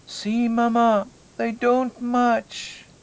" See, mamma, they don't match."